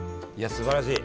すばらしい！